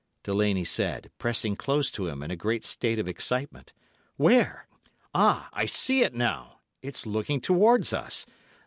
Delaney said, pressing close to him in a great state of excitement. 'Where? Ah! I see it now. It's looking towards us.